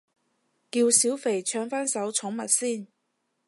叫小肥唱返首寵物先